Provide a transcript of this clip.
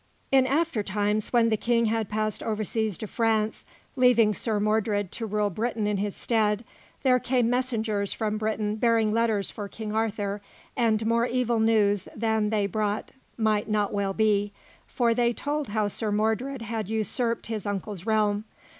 In after times when the King had passed overseas to France, leaving Sir Mordred to rule Britain in his stead, there came messengers from Britain bearing letters for King Arthur; and more evil news than they brought might not well be, for they told how Sir Mordred had usurped his uncle's realm.